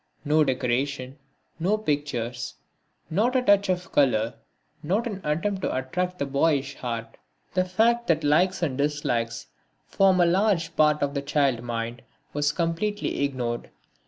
No decoration, no pictures, not a touch of colour, not an attempt to attract the boyish heart. The fact that likes and dislikes form a large part of the child mind was completely ignored.